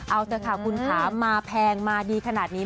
เอาเถอะค่ะคุณขามาแพงมาดีขนาดนี้